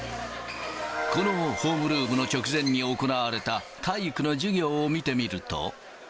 このホームルームの直前に行われた体育の授業を見てみると。